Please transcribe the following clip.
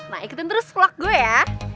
nah ikutin terus vlog gue ya